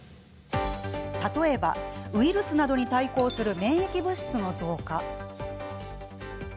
例えば、ウイルスなどに対抗する免疫物質の増加。